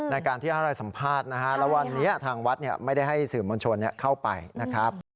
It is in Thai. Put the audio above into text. ในการที่ให้สัมภาษณ์นะฮะแล้ววันนี้ทางวัดไม่ได้ให้สื่อมวลชนเข้าไปนะครับ